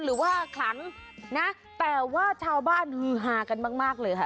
หรือว่าขลังนะแต่ว่าชาวบ้านฮือฮากันมากเลยค่ะ